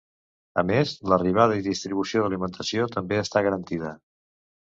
A més, l’arribada i distribució d’alimentació també està garantida.